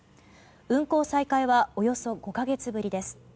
運行再開はおよそ５か月ぶりです。